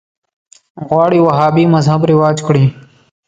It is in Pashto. غواړي وهابي مذهب رواج کړي